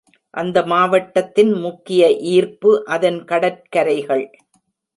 அந்த மாவட்டத்தின் முக்கிய ஈர்ப்பு அதன் கடற்கரைகள்.